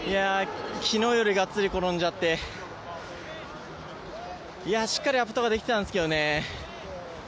昨日よりがっつり転んじゃって、しっかりアップとかできたんですけどね。